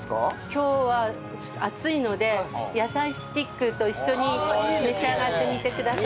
今日は暑いので野菜スティックと一緒に召し上がってみてください。